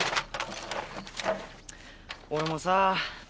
俺もさ